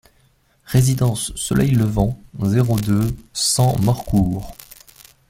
Résidence Soleil Levant, zéro deux, cent Morcourt